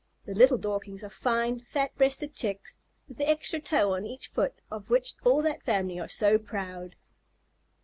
The little Dorkings are fine, fat breasted Chicks, with the extra toe on each foot of which all that family are so proud.